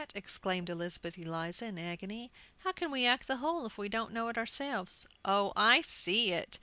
exclaimed Elizabeth Eliza, in agony. "How can we act the whole if we don't know it ourselves?" "Oh, I see it!"